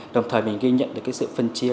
đồng thời mình ghi nhận được sự phân chia